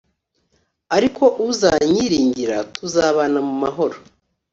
Ariko uzanyiringira, tuzabana mu mahoro,